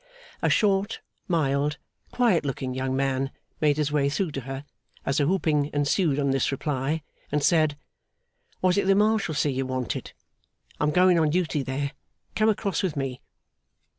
A short, mild, quiet looking young man made his way through to her, as a whooping ensued on this reply, and said: 'Was it the Marshalsea you wanted? I'm going on duty there. Come across with me.